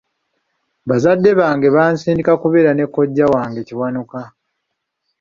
Bazadde bange bansindika okubeera ne kojja wange Kiwanuka.